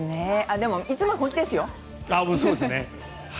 でも、いつも本気ですよ。